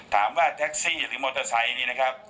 ถามว่าแท็กซี่หรือมอเตอร์ไซค์นี้นะครับ